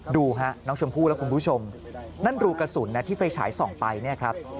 ดูฮะน้องชมพู่และคุณผู้ชมนั่นรูกระสุนนะที่ไฟฉายส่องไปเนี่ยครับ